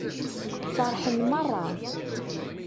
Feṛḥen meṛṛa.